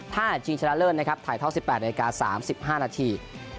ถ้าชิงชนะเลิศถ้าถอยท่อ๑๘นาทีการ๓๕นาที